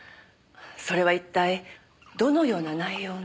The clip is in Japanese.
それは一体どのような内容の？